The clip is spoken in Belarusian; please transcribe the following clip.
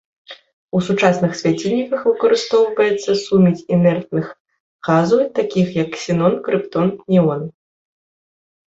У сучасных свяцільніках выкарыстоўваецца сумець інертных газаў, такіх як ксенон, крыптон, неон.